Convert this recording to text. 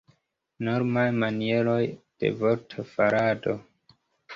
Normaj manieroj de vortfarado.